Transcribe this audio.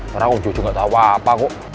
padahal om jojo gak tau apa kok